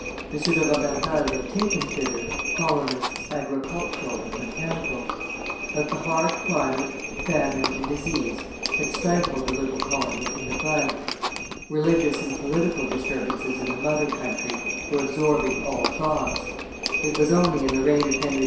M. de Roberval had taken thither colonists agricultural and mechanical; but the hard climate, famine, and disease had stifled the little colony in the bud; religious and political disturbances in the mother country were absorbing all thoughts; it was only in the reign of Henry IV.